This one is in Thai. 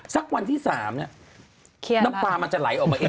สักวันที่๓เนี่ยน้ำปลามันจะไหลออกมาเอง